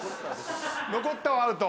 「残った」はアウト。